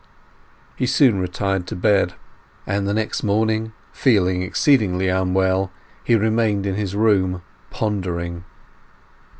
'" He soon retired to bed; and the next morning, feeling exceedingly unwell, he remained in his room pondering.